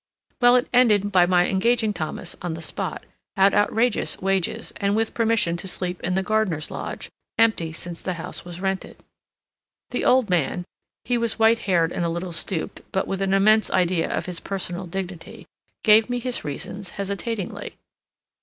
Well, it ended by my engaging Thomas on the spot, at outrageous wages, and with permission to sleep in the gardener's lodge, empty since the house was rented. The old man—he was white haired and a little stooped, but with an immense idea of his personal dignity—gave me his reasons hesitatingly.